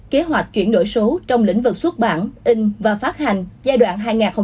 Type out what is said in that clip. kế hoạch chuyển đổi số trong lĩnh vực xuất bản in và phát hành giai đoạn hai nghìn hai mươi hai nghìn hai mươi năm